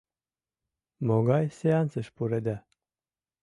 — Могай сеансыш пуреда?